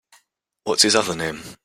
What’s his other name?